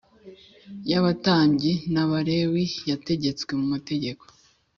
y abatambyi n Abalewi yategetswe mu mategeko